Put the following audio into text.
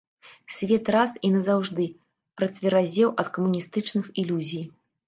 Свет раз і назаўжды працверазеў ад камуністычных ілюзій.